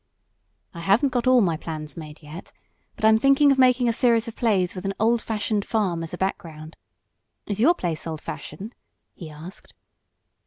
"I haven't got all my plans made yet, but I'm thinking of making a series of plays with an old fashioned farm as a background. Is your place old fashioned?" he asked.